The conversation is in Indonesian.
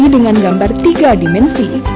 dengan gambar tiga dimensi